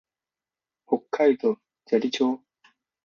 北海道斜里町